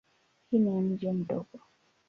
Hii ni mji mdogo.